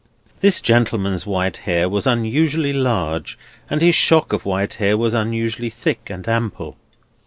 This gentleman's white head was unusually large, and his shock of white hair was unusually thick and ample.